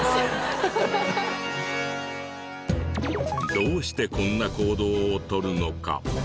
どうしてこんな行動を取るのか？